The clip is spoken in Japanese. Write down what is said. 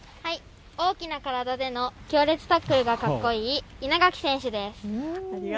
大きな体での強烈タックルがかっこいい稲垣選手です。